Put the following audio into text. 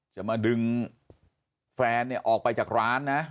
จะมาดึงแฟนออกไปจากร้านนะ